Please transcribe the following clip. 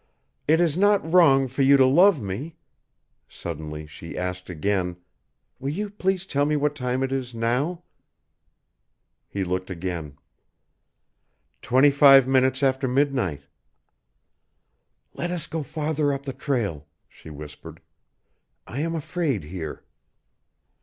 "It is not wrong for you to love me." Suddenly she asked again, "Will you please tell me what time it is now?" He looked again. "Twenty five minutes after midnight." "Let us go farther up the trail," she whispered. "I am afraid here."